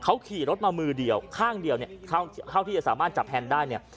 เขาขี่รถมามือเดียวข้างดีค่าวที่จะสามารถจับแฮนต์ได้